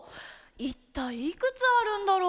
いったいいくつあるんだろう？